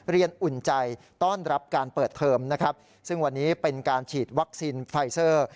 อุ่นใจต้อนรับการเปิดเทอมนะครับซึ่งวันนี้เป็นการฉีดวัคซีนไฟเซอร์